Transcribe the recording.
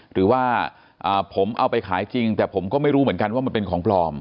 หรือว่าผมเอาไปขายจริงแต่ผมก็ไม่รู้เหมือนกันว่ามันเป็นของปลอม